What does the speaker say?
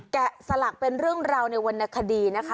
สลักเป็นเรื่องราวในวรรณคดีนะคะ